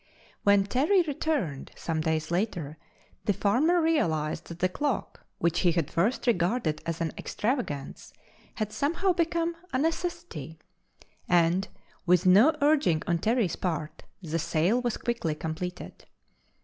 When Terry returned, some days later, the farmer realized that the clock, which he had first regarded as an extravagance had somehow become a necessity, and, with no urging on Terry's part, the sale was quickly completed.